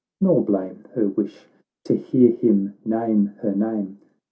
— nor blame Her wish — to hear him name her name